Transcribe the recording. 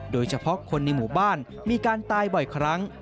โดยเฉพาะคนในหมู่บ้านมีการตายบ่อยครั้ง